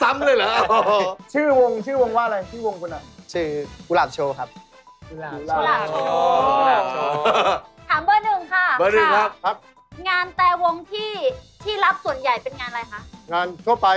มันเป็นเครื่องเปล่าครับใช่